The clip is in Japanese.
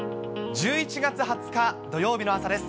１１月２０日土曜日の朝です。